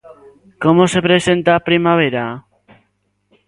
Como se presenta a primavera?